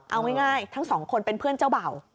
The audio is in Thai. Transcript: เอาง่ายทั้งสองคนเป็นเพื่อนเจ้าเบ่า